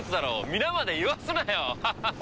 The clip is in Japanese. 「皆まで言わすなよハハッ」